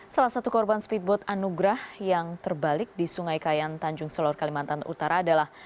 salah satu korban speedboat anugerah yang terbalik di sungai kayan tanjung solor kalimantan utara adalah